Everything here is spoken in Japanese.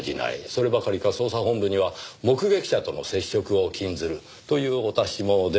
そればかりか捜査本部には目撃者との接触を禁ずるというお達しも出たとか。